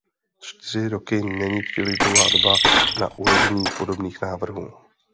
Čtyři roky není příliš dlouhá doba na uležení podobných návrhů.